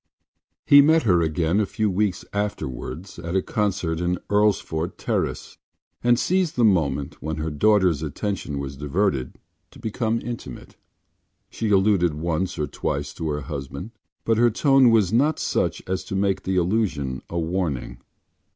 He met her again a few weeks afterwards at a concert in Earlsfort Terrace and seized the moments when her daughter’s attention was diverted to become intimate. She alluded once or twice to her husband but her tone was not such as to make the allusion a warning.